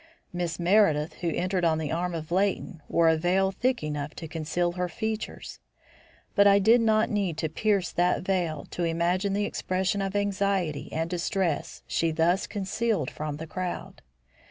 Miss Meredith, who entered on the arm of Leighton, wore a veil thick enough to conceal her features. But I did not need to pierce that veil to imagine the expression of anxiety and distress she thus concealed from the crowd.